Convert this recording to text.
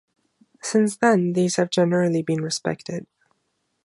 Since then, these have generally been respected.